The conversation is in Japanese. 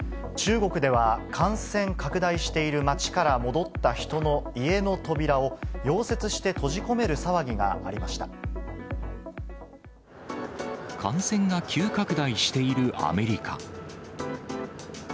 中国では、感染拡大している町から戻った人の家の扉を溶接して閉じ込める騒感染が急拡大しているアメリカ。